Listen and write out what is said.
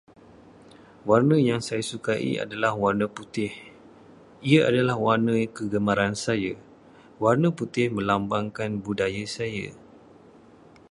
Warna yang saya sukai ialah warna putih. Ia adalah warna kesukaan saya. Warna putih melambangkan budaya saya.